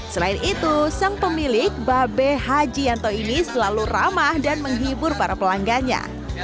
selain itu sang pemilik babe haji yanto ini selalu ramah dan menghibur para pelanggannya